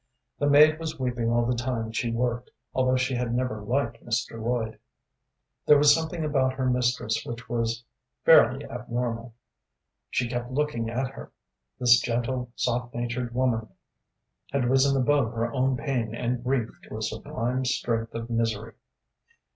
The maid was weeping all the time she worked, although she had never liked Mr. Lloyd. There was something about her mistress which was fairly abnormal. She kept looking at her. This gentle, soft natured woman had risen above her own pain and grief to a sublime strength of misery.